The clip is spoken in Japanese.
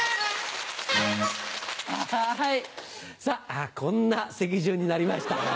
さぁこんな席順になりました。